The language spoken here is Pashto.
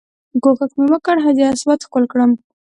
کوښښ مې وکړ حجر اسود ښکل کړم.